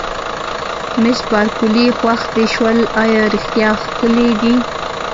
مس بارکلي: خوښ دې شول، ایا رښتیا ښکلي دي؟